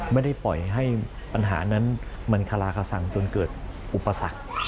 ไม่ได้ปล่อยให้ปัญหานั้นมันคลาคสังจนเกิดอุปสรรค